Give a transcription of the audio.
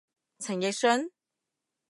陳奕迅？